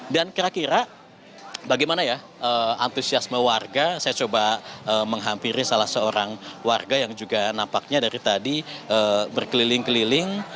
dan kira kira bagaimana ya antusiasme warga saya coba menghampiri salah seorang warga yang juga nampaknya dari tadi berkeliling keliling